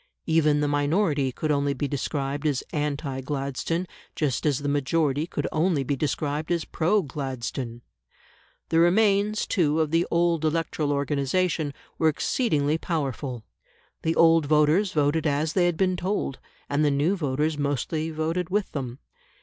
Even the minority could only be described as anti Gladstone, just as the majority could only be described as pro Gladstone. The remains, too, of the old electoral organisation were exceedingly powerful; the old voters voted as they had been told, and the new voters mostly voted with them.